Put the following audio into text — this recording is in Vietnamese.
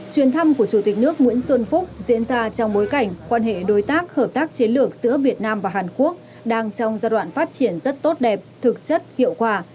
chuyến thăm của chủ tịch nước nguyễn xuân phúc diễn ra trong bối cảnh quan hệ đối tác hợp tác chiến lược giữa việt nam và hàn quốc đang trong giai đoạn phát triển rất tốt đẹp thực chất hiệu quả